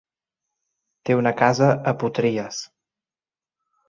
Té una casa a Potries.